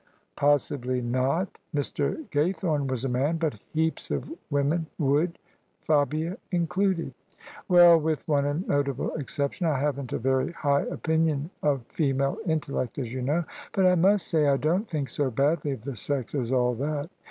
" Possibly not. Mr. Gaythome was a man. But heaps of women would — Fabia included." "Well — ^with one notable exception — I haven't a very high opinion of female intellect, as you know: — but I must say I don't think so badly of the sex as all that."